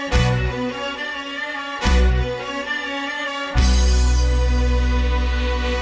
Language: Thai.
โคตร